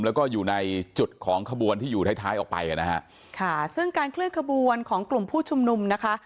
แล้วก็อยู่ในจุดของขบวนที่อยู่ท้ายท้ายออกไปนะฮะค่ะซึ่งการเคลื่อนขบวนของกลุ่มผู้ชุมนุมนะคะ